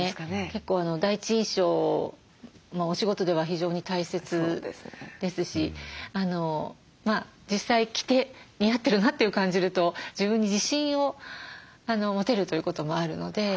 結構第一印象お仕事では非常に大切ですし実際着て似合ってるなと感じると自分に自信を持てるということもあるので。